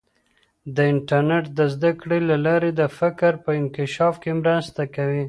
د انټرنیټ د زده کړې له لارې د فکر په انکشاف کې مرسته کوي.